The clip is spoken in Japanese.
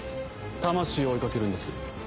魂を追い掛けるんです。